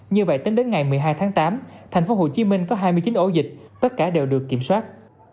như vậy đến đến ngày một mươi hai tháng tám thành phố hồ chí minh có hai mươi chín ổ dịch tất cả đều được kiểm soát